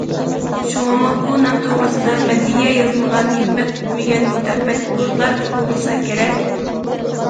شۇڭىمۇ بۇ نام توغرىسىدا مەدھىيە يازمىغان، ھېكمەت پۈتمىگەن مۇتەپەككۇرلار بولمىسا كېرەك.